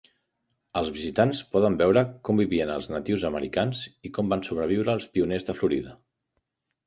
Els visitants poden veure com vivien els natius americans i com van sobreviure els pioners de Florida.